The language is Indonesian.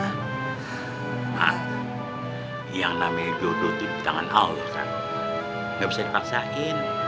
hah yang namanya jodoh itu di tangan allah kan gak bisa dipaksain